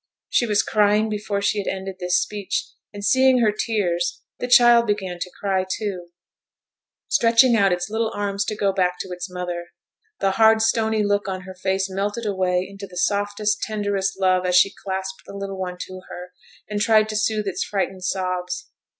She was crying before she had ended this speech, and seeing her tears, the child began to cry too, stretching out its little arms to go back to its mother. The hard stony look on her face melted away into the softest, tenderest love as she clasped the little one to her, and tried to soothe its frightened sobs.